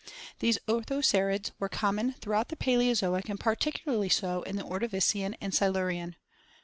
These orthocerids were common throughout the Paleozoic and particularly so in the Ordovirian and Silurian.